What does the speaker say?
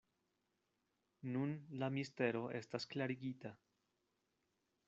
Nun la mistero estas klarigita.